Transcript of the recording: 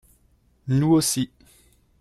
Nous aussi